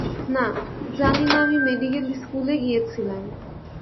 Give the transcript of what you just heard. না, জানি না আমি মেডিকেল স্কুলে গিয়েছিলাম।